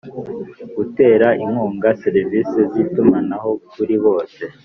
gutera inkunga serivisi z itumanaho kuri bose